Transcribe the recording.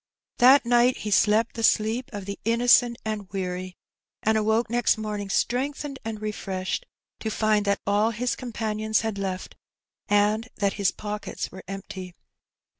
That night he slept the sleep of the innocent and weary^ and awoke next morning strengthened and refreshed, to find that all his companions had left and that his pockets were empty